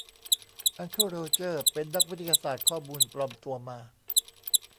อังเคิลโรเจอร์เป็นนักวิทยาศาสตร์ข้อมูลปลอมตัวมา